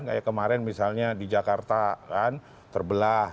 kayak kemarin misalnya di jakarta kan terbelah